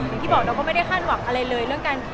อย่างที่บอกเราก็ไม่ได้คาดหวังอะไรเลยเรื่องการ